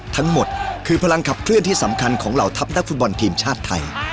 ทั้งหมดคือพลังขับเคลื่อนที่สำคัญของเหล่าทัพนักฟุตบอลทีมชาติไทย